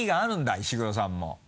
石黒さんも。